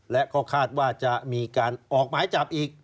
และก็คาดว่าจะมีการออกหมายจับอีก